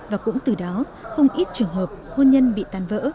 và cũng từ đó không ít trường hợp hôn nhân bị tàn vỡ